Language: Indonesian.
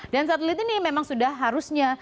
dan satelit ini memang sudah harusnya